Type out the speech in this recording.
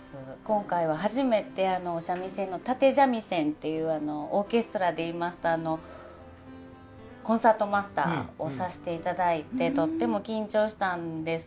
今回は初めて三味線の立三味線ていうオーケストラで言いますとコンサートマスターをさせていただいてとっても緊張したんですけれども。